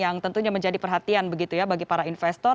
yang tentunya menjadi perhatian begitu ya bagi para investor